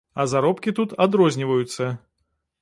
А заробкі тут адрозніваюцца.